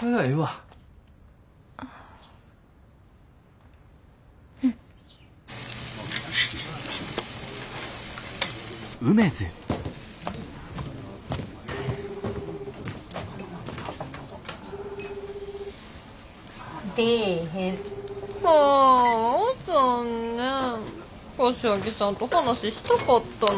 柏木さんと話したかったのに。